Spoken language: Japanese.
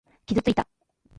傷ついた。